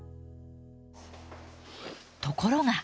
ところが。